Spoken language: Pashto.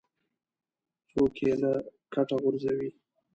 څوک یې له کټه غورځوي.